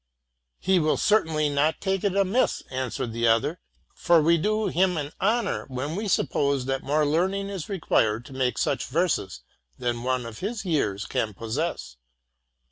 ''—'* He will certainly not take it amiss,'' answered the other ; 'for we do him an honor when we suppose that more learning is required to make such verses than one of his years can possess.